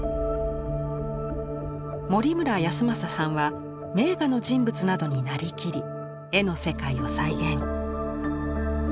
森村泰昌さんは名画の人物などになりきり絵の世界を再現。